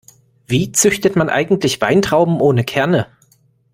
Wie züchtet man eigentlich Weintrauben ohne Kerne?